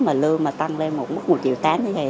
mà lương tăng lên một triệu tám như vậy